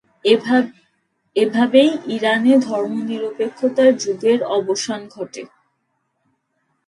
এভাবেই, ইরানে ধর্মনিরপেক্ষতার যুগের অবসান ধটে।